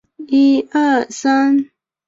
后北条氏家臣。